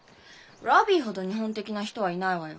ロビーほど日本的な人はいないわよ。